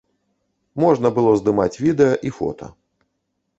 Можна было здымаць відэа і фота.